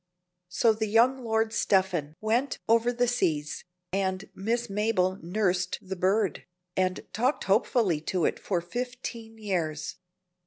So the young Lord Stephen went over the seas, and Miss Mabel nursed the bird, and talked hopefully to it for fifteen years.